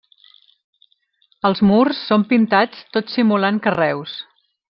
Els murs són pintats tot simulant carreus.